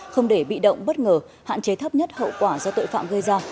không để bị động bất ngờ hạn chế thấp nhất hậu quả do tội phạm gây ra